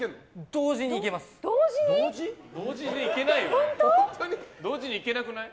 同時にいけなくない？